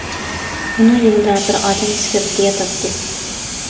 ئۇنىڭ يېنىدا بىر ئادەم ئىسكىلىتى ياتاتتى.